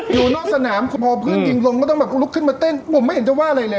อยู่นอกสนามพอเพื่อนยิงลงก็ต้องแบบลุกขึ้นมาเต้นผมไม่เห็นจะว่าอะไรเลย